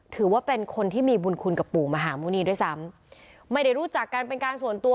ถือว่าเป็นคนที่มีบุญคุณกับปู่มหาหมุณีด้วยซ้ำไม่ได้รู้จักกันเป็นการส่วนตัว